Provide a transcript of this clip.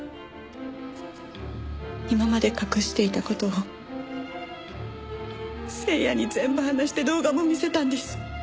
今まで隠していた事を誠也に全部話して動画も見せたんです。